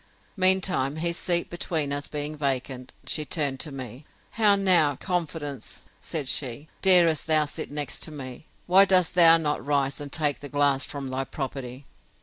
Mean time, his seat between us being vacant, she turned to me: How now, confidence, said she, darest thou sit next me? Why dost thou not rise, and take the glass from thy property?